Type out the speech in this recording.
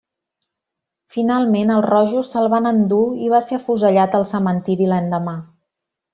Finalment els rojos se'l van endur i va ser afusellat al cementiri l'endemà.